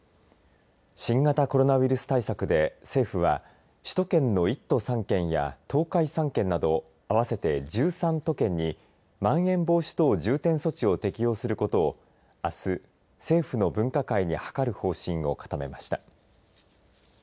新型コロナウイルス対策で政府は首都圏の１都３県や東海３県など合わせて１３都県にまん延防止等重点措置を適応することをあす政府の分科会に諮る方針を固めました。